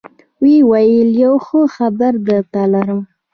ويې ويل يو ښه خبرم درته لرم.